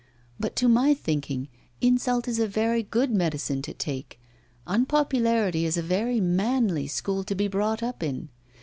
But, to my thinking, insult is a very good medicine to take; unpopularity is a very manly school to be brought up in.